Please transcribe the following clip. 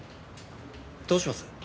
どうします？